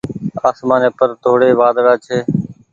آسمآني پر ڍوڙي وآۮڙآ ڇي۔